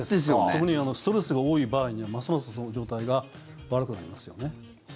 特にストレスが多い場合にはますますその状態が悪くなりますよね。